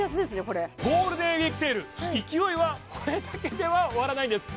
これゴールデンウイークセール勢いはこれだけでは終わらないんです